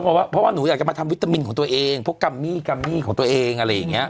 เพราะว่าเพราะว่าหนูอยากจะมาทำวิตามินของตัวเองพวกกัมมี่กัมมี่ของตัวเองอะไรอย่างเงี้